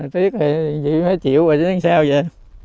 tiếc thì chịu rồi thế sao vậy